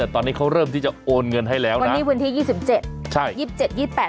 ตอนนี้เขาเริ่มที่จะโอนเงินให้แล้วนะวันนี้พื้นที่๒๗